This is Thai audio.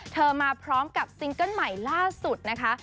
มาพร้อมกับซิงเกิ้ลใหม่ล่าสุดนะคะ